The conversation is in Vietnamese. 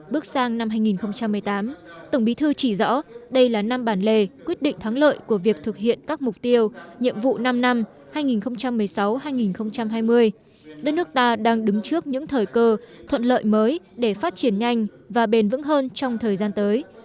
bước sang năm hai nghìn một mươi tám tổng bí thư chỉ rõ đây là năm bản lề quyết định thắng lợi của việc thực hiện các mục tiêu nhiệm vụ năm năm hai nghìn một mươi sáu hai nghìn hai mươi đất nước ta đang đứng trước những thời cơ thuận lợi mới để phát triển nhanh và bền vững hơn trong thời gian tới